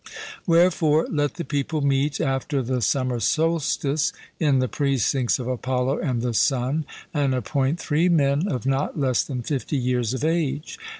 Wherefore let the people meet after the summer solstice, in the precincts of Apollo and the Sun, and appoint three men of not less than fifty years of age.